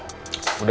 ternyata kamu free